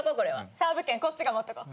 サーブ権こっちが持っとこう。